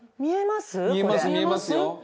見えますよ。